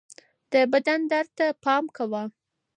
د بدن درد ته پام کوه